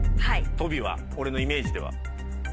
トビは俺のイメージでは。